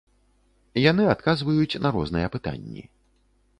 Яны адказваюць на розныя пытанні.